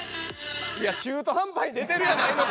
いや中途半端に出てるやないの？